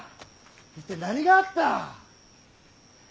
一体何があった？